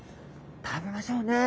食べましょうね。